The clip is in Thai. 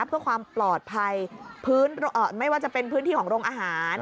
เพื่อความปลอดภัยพื้นไม่ว่าจะเป็นพื้นที่ของโรงอาหาร